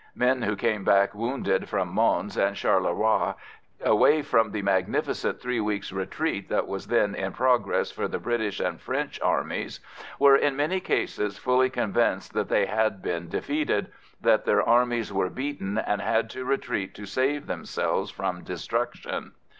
Men who came back wounded from Mons and Charleroi, away from the magnificent three weeks' retreat that was then in progress for the British and French armies, were, in many cases, fully convinced that they had been defeated that their armies were beaten, and had to retreat to save themselves from destruction.